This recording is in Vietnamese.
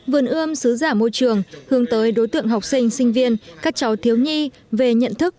vườn ươm xứ giả môi trường hướng tới đối tượng học sinh sinh viên các cháu thiếu nhi về nhận thức